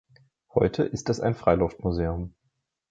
Heute ist es ein Freiluftmuseum.